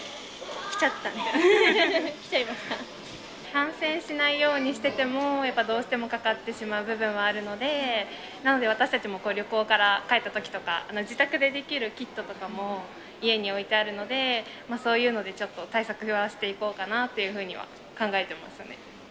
感染しないようにしてても、やっぱりどうしてもかかってしまう部分はあるので、なので、私たちも旅行から帰ったときとか、自宅でできるキットとかも家に置いてあるので、そういうのでちょっと対策はしていこうかなというふうには考えてますね。